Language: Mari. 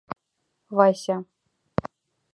Вася».